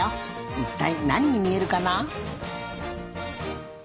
いったいなににみえるかな？